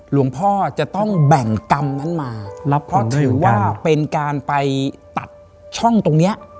หลวงพ่อจะต้องแบ่งกรรมนั้นมาแล้วเพราะถือว่าเป็นการไปตัดช่องตรงเนี้ย